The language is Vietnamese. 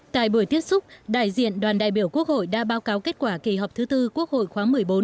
tại buổi tiếp xúc đại diện đoàn đại biểu quốc hội đã báo cáo kết quả kỳ họp thứ tư quốc hội khóa một mươi bốn